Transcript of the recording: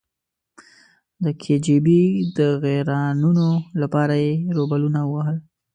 د کې جی بي د غیرانونو لپاره یې روبلونه ووهل.